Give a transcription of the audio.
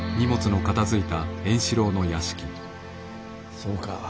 そうか。